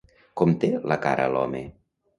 Com té la cara l'home?